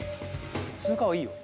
通過はいいよ。